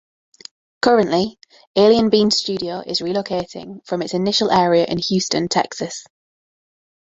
Currently, Alien Beans Studio is relocating from its initial area in Houston, Texas.